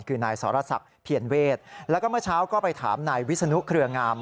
คือนายสรศักดิ์เพียรเวศแล้วก็เมื่อเช้าก็ไปถามนายวิศนุเครืองาม